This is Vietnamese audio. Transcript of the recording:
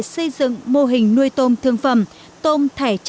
xây dựng mô hình nuôi tôm thương phẩm